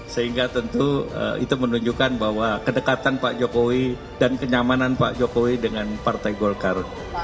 sehingga tentu itu menunjukkan bahwa kedekatan pak jokowi dan kenyamanan pak jokowi dengan partai golkar